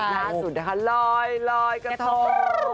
ล่าสุดนะคะลอยลอยกระทง